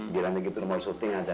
bilangnya gitu mau shorting aja